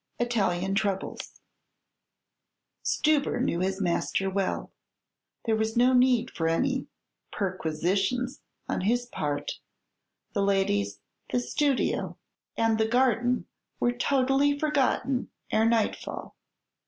ITALIAN TROUBLES Stubber knew his master well. There was no need for any "perquisitions" on his part; the ladies, the studio, and the garden were totally forgotten ere nightfall.